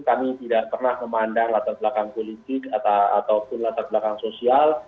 kami tidak pernah memandang latar belakang politik ataupun latar belakang sosial